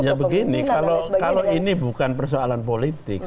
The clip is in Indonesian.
ya begini kalau ini bukan persoalan politik